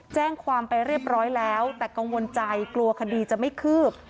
แจ้งความไปเรียบร้อยแล้วแต่กังวลใจกลัวคดีจะไม่คืบ